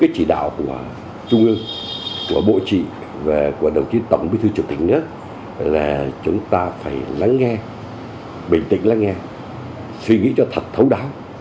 chúng ta phải lắng nghe bình tĩnh lắng nghe suy nghĩ cho thật thấu đáo